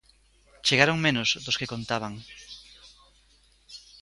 Chegaron menos dos que contaban.